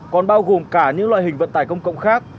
còn bao gồm cả những loại hình vận tải công cộng khác